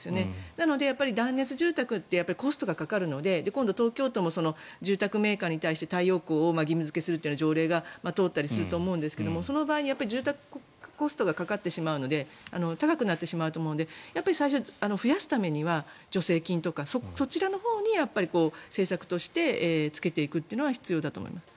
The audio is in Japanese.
なので、断熱住宅ってコストがかかるので今度東京都も住宅メーカーに対して太陽光を義務付けするという条例が通ったりすると思うんですがその場合住宅コストがかかってしまうので高くなってしまうと思うので最初、増やすためには助成金とかそちらのほうに政策としてつけていくというのは必要だと思います。